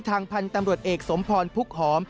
ทางภรรยาษมณ์ตำรวจเอกสมพรพุกฮอม